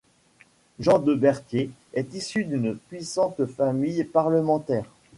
Jean de Bertier est issu d'une puissante famille parlementaire.